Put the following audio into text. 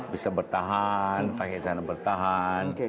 bisa bertahan pakai sana bertahan